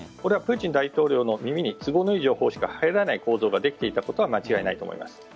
プーチン大統領の耳に都合のいい情報しか入らない構造ができていたことは間違いないです。